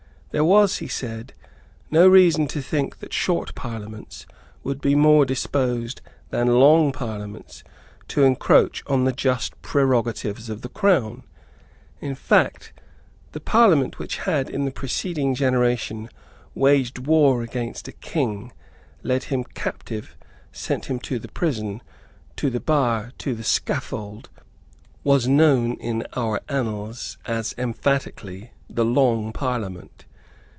There was, he said, no reason to think that short Parliaments would be more disposed than long Parliaments to encroach on the just prerogatives of the Crown. In fact the Parliament which had, in the preceding generation, waged war against a king, led him captive, sent him to the prison, to the bar, to the scaffold, was known in our annals as emphatically the Long Parliament.